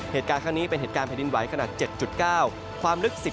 เหตุการณ์ครั้งนี้เป็นเหตุการณ์แผ่นดินไหวขนาด๗๙ความลึก๑๐